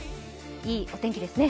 いいお天気ですね。